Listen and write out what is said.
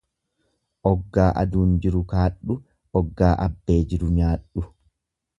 Oggaa aduun jiru kaadhu, oggaa abbee jiru nyaadhu.